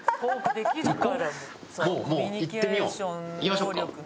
行きましょうか。